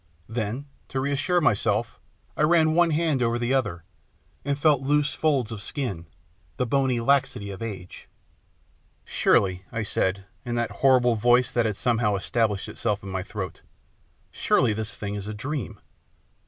Then, to reassure myself I ran one hand over the other, and felt loose folds of skin, the bony laxity of age. " Surely," I said, in that horrible voice that had somehow established itself in my throat, " surely this thing is a dream